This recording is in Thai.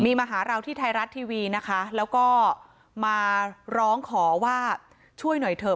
มีมาหาเราที่ไทยรัฐทีวีนะคะแล้วก็มาร้องขอว่าช่วยหน่อยเถอะ